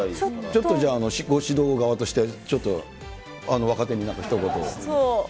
ちょっとご指導側としては、ちょっと若手になんかひと言。